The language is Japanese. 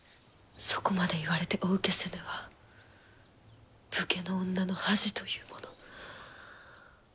そこまで言われてお受けせぬは武家の女の恥というもの。